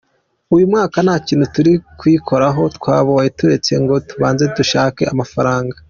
Uyu mwaka nta kintu turi kuyikoraho twabaye turetse ngo tubanze dushake amafaranga.